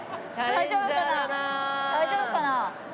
大丈夫かな？